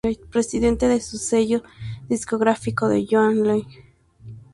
Reid, presidente de su sello discográfico a John Legend.